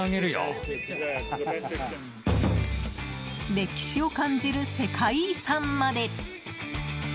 歴史を感じる世界遺産まで。